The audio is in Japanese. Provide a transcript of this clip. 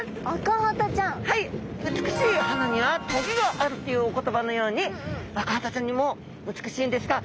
はい「美しい花には棘がある」というお言葉のようにアカハタちゃんにも美しいんですが鋭い棘があります。